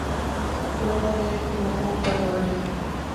تو انہوں نے اس کے مفہوم پر توجہ دی